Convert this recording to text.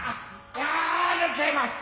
あ抜けました。